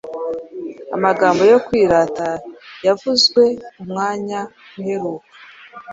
Amagambo yo kwirata yavuzwe umwanya uheruka